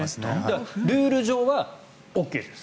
ルール上はＯＫです。